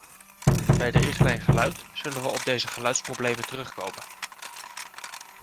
Bij de richtlijn geluid zullen we op deze geluidsproblemen terugkomen.